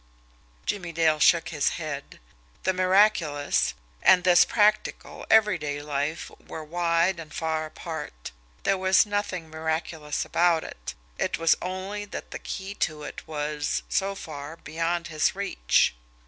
Jimmie Dale shook his head. The miraculous and this practical, everyday life were wide and far apart. There was nothing miraculous about it it was only that the key to it was, so far, beyond his reach.